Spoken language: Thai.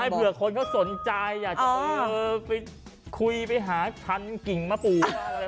เผื่อคนเขาสนใจอยากจะไปคุยไปหาพันกิ่งมะปู่